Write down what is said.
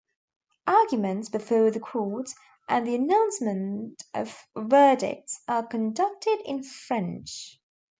Arguments before the courts, and the announcement of verdicts, are conducted in French.